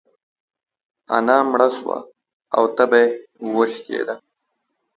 انا مړه سوه او تبه يې وشکيده.